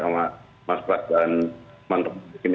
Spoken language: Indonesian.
sama mas pras dan mantep kimia